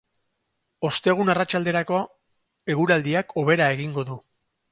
Ostegun arratsalderako eguraldiak hobera egingo du.